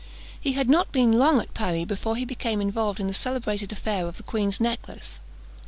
He had not been long at Paris before he became involved in the celebrated affair of the queen's necklace.